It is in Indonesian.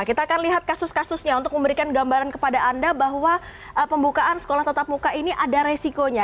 kita akan lihat kasus kasusnya untuk memberikan gambaran kepada anda bahwa pembukaan sekolah tetap muka ini ada resikonya